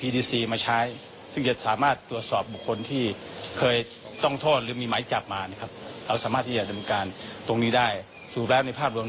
และก็รับมอตรีว่าการส่งระหว่างผลิตประวิทย์วงส่วน